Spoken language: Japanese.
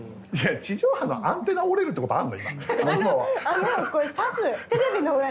いや地上波のアンテナ折れるってことあるの？